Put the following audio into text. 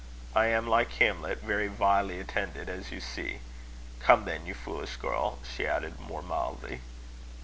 I am, like Hamlet, very vilely attended, as you see. Come, then, you foolish girl," she added, more mildly.